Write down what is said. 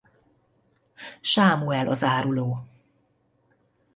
Sámuel az áruló.